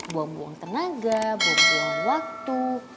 buang buang tenaga buang buang waktu